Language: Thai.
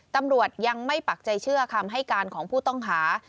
ตำรวจยังไม่ปักใจเชื่อคำให้การของผู้ต้องหา